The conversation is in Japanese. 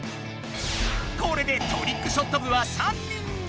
これでトリックショット部は３人に！